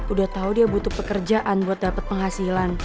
udah tau dia butuh pekerjaan buat dapet penghasilan